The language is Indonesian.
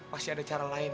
pasti ada cara lain